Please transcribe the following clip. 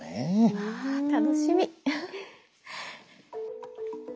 わ楽しみ。